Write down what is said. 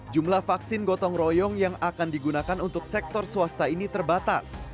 jumlah vaksin gotong royong yang akan digunakan untuk sektor swasta ini terbatas